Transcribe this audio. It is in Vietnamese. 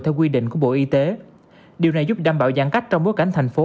theo quy định của bộ y tế điều này giúp đảm bảo giãn cách trong bối cảnh thành phố